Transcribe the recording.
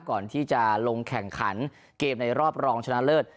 ก่อนที่จะลงแข่งขันเกมในรอบรองชนะเลิศ